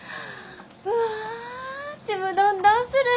うわちむどんどんする！